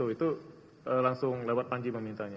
itu langsung lewat panji memintanya